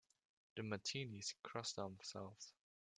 The Martinis cross themselves.